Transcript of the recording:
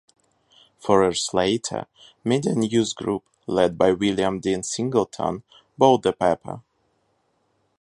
Four years later, MediaNews Group, led by William Dean Singleton, bought the paper.